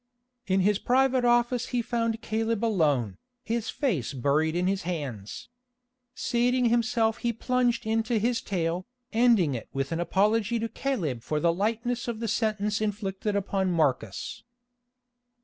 In his private office he found Caleb alone, his face buried in his hands. Seating himself he plunged into his tale, ending it with an apology to Caleb for the lightness of the sentence inflicted upon Marcus.